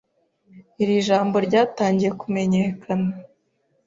Iri jambo ryatangiye kumenyekana